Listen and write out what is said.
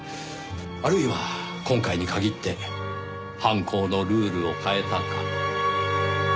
あるいは今回に限って犯行のルールを変えたか。